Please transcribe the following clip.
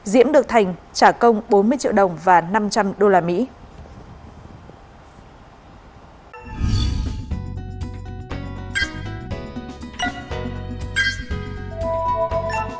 diễm được thành trả công bốn mươi triệu đồng và năm trăm linh usd